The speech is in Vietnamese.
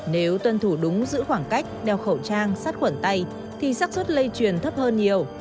nếu tuân thủ đúng giữ khoảng cách đeo khẩu trang sát khuẩn tay thì sắc xuất lây truyền thấp hơn nhiều